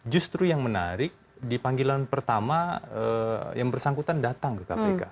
justru yang menarik di panggilan pertama yang bersangkutan datang ke kpk